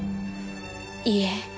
いいえ。